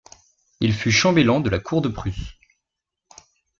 Il fut chambellan de la cour de Prusse.